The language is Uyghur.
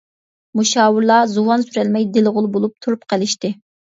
مۇشاۋىرلار زۇۋان سۈرەلمەي دېلىغۇل بولۇپ تۇرۇپ قېلىشتى.